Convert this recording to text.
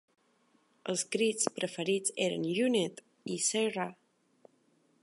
Els crits preferits eren "Unite" i "Say Ra".